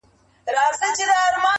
هر څوک ځان په بل حالت کي احساسوي ګډ,